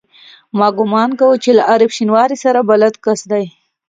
ما ګومان کاوه چې له عارف شینواري سره بلد کس دی.